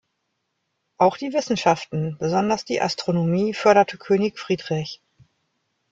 Auch die Wissenschaften, besonders die Astronomie, förderte König Friedrich.